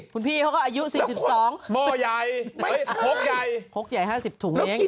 คุณพี่เขาก็อายุ๔๒โม่ใหญ่หกใหญ่๕๐ถุงเอง